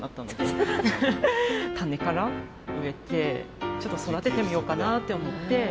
種から植えてちょっと育ててみようかなって思ってはい。